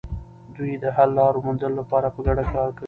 دوی د حل لارو موندلو لپاره په ګډه کار کوي.